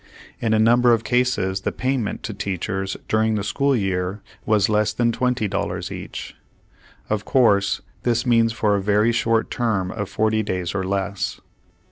In a number of cases the payment to teachers during the school year was less than $20 each. Of course this means for a very short term of 40 days or less.